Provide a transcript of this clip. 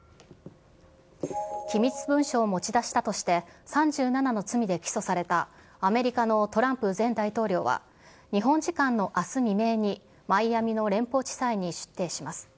機密文書を持ち出したとして、３７の罪で起訴されたアメリカのトランプ前大統領は日本時間のあす未明に、マイアミの連邦地裁に出廷します。